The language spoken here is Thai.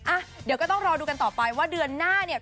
อ่ะเดี๋ยวก็ต้องรอดูกันต่อไปว่าเดือนหน้าเนี่ย